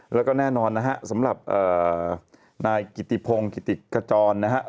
แล้วก็แน่นอนนะฮะสำหรับนายกิติพงศ์กิติขจรนะครับ